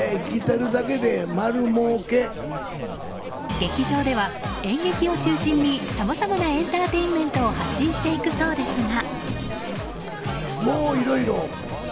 劇場では演劇を中心にさまざまなエンターテインメントを発信していくそうですが。